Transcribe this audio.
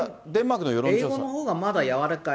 英語のほうがまだやわらかい。